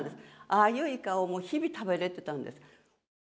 ああいうイカを日々食べれてたんです。